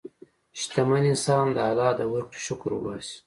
شتمن انسان د الله د ورکړې شکر وباسي.